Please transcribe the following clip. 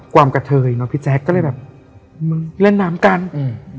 กระเทยเนอะพี่แจ๊คก็เลยแบบมึงเล่นน้ำกันอืม